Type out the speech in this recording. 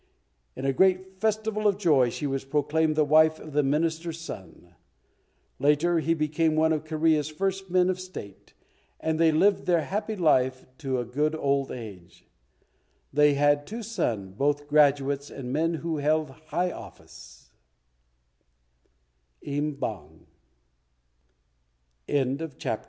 In a great festival of joy she was proclaimed the wife of the Minister's son. Later he became one of Korea's first men of State, and they lived their happy life to a good old age. They had two sons, both graduates and men who held high office. Im Bang.